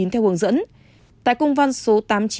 theo hướng dẫn tại công văn số tám mươi chín